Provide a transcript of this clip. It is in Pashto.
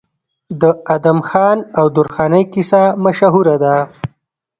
د ادم خان او درخانۍ کیسه مشهوره ده.